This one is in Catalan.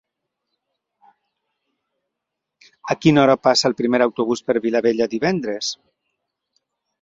A quina hora passa el primer autobús per Vilabella divendres?